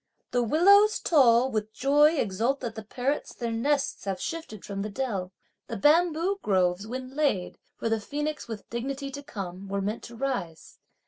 The willows tall with joy exult that the parrots their nests have shifted from the dell. The bamboo groves, when laid, for the phoenix with dignity to come, were meant to rise.